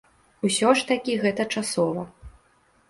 Усё ж такі гэта часова.